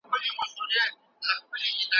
هیوادونه له نړیوالو بحرانونو بې اغېزې نه وي.